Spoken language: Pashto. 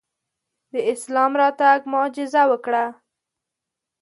د اسلام راتګ معجزه وکړه.